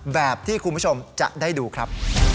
แบบที่คุณผู้ชมจะได้ดูครับ